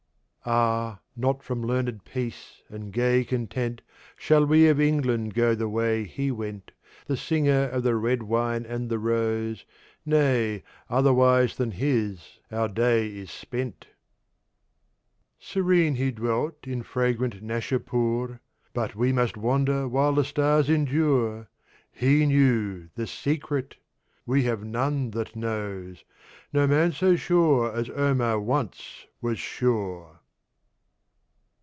Ah, not from learned Peace and gay Content Shall we of England go the way he went The Singer of the Red Wine and the Rose Nay, otherwise than his our Day is spent! Serene he dwelt in fragrant Nasha'pu'r, But we must wander while the Stars endure. He knew THE SECRET: we have none that knows, No Man so sure as Omar once was sure!